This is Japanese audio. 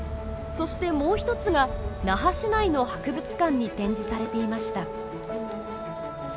そしてもう一つが那覇市内の博物館に展示されていました。